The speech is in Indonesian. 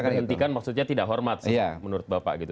kalau diberhentikan maksudnya tidak hormat menurut bapak